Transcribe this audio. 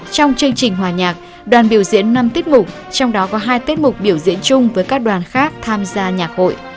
trong chương trình hòa nhạc đoàn biểu diễn năm tiết mục trong đó có hai tiết mục biểu diễn chung với các đoàn khác tham gia nhạc hội